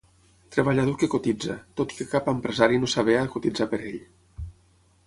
Treballador que cotitza, tot i que cap empresari no s'avé a cotitzar per ell.